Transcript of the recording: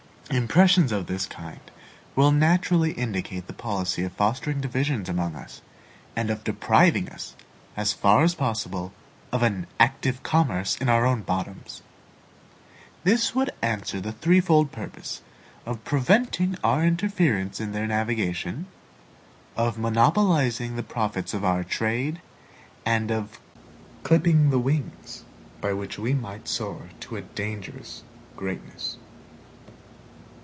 Impressions of this kind will naturally indicate the policy of fostering divisions among us, and of depriving us, as far as possible, of an ACTIVE COMMERCE in our own bottoms. This would answer the threefold purpose of preventing our interference in their navigation, of monopolizing the profits of our trade, and of clipping the wings by which we might soar to a dangerous greatness.